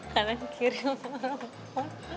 kanan kiri lompat